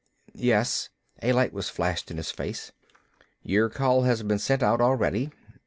"Yes." A light was flashed in his face. "Your call has been sent out already."